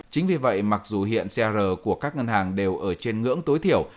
chính vì vậy mặc dù hiện cr của các ngân hàng đều ở trên ngưỡng tối thiểu